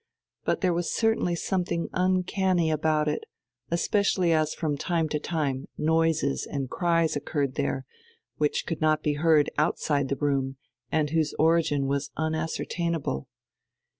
But there was certainly something uncanny about it, especially as from time to time noises and cries occurred there, which could not be heard outside the room and whose origin was unascertainable.